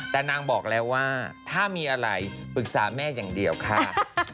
แต่นางบอกแล้วว่าถ้ามีอะไรปรึกษาแม่อย่างเดียวค่ะ